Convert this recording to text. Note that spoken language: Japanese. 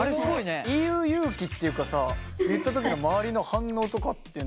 それを言う勇気っていうかさ言った時の周りの反応とかってどうだったの？